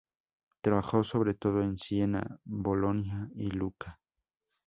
Trabajó sobre todo en Siena, Bolonia y Lucca.